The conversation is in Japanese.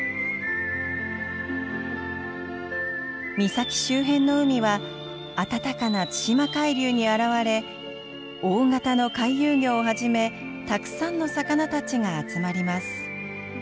岬周辺の海は暖かな対馬海流に洗われ大型の回遊魚をはじめたくさんの魚たちが集まります。